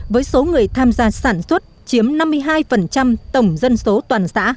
với số người tham gia sản xuất chiếm năm mươi hai tổng dân số toàn xã